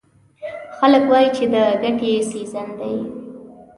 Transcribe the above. خلک وایي چې د ګټې سیزن دی.